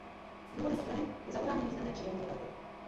Důvodem ochrany je zachování významné přírodní lokality.